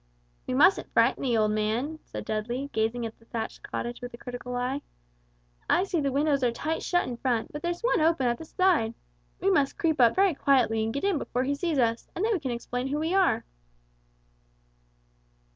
"We mustn't frighten the old man," said Dudley, gazing at the thatched cottage with a critical eye. "I see the windows are tight shut in front, but there's one open at the side; we must creep up very quietly and get in before he sees us, and then we can explain who we are."